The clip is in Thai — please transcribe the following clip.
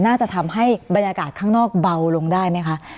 น่าจะทำให้บรรยากาศข้างนอกเบาลงได้ไหมคะ